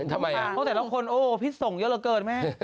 ทำไมอะเพราะแต่ละคนโอ้โฮพิษส่งเยอะเยอะเกินแม่